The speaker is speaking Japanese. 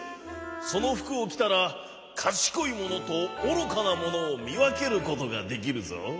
そのふくをきたらかしこいものとおろかなものをみわけることができるぞ。